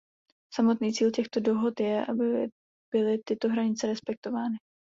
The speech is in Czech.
Samotný cíl těchto dohod je, aby byly tyto hranice respektovány.